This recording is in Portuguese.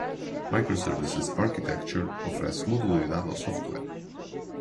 Microservices Architecture oferece modularidade ao software.